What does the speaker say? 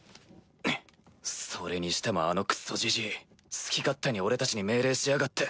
それにしてもあのクソジジイ好き勝手に俺たちに命令しやがって。